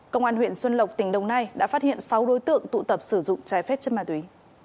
công an huyện xuân lộc tỉnh đồng nai đã phát hiện sáu đối tượng tụ tập sử dụng trái phép chất ma túy